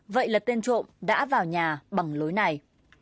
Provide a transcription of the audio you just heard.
vậy là tên trộm đã vào nhà bằng lối này